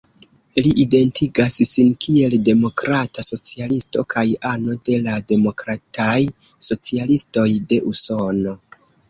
Li identigas sin kiel demokrata socialisto kaj ano de la Demokrataj Socialistoj de Usono.